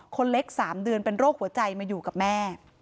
คนเล็ก๓เดือนเป็นโรคหัวใจมาอยู่กับแม่